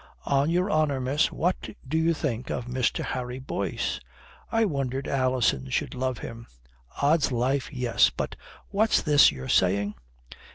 "On your honour, miss, what did you think of Mr. Harry Boyce?" "I wondered Alison should love him." "Ods life, yes. But what's this you're saying?"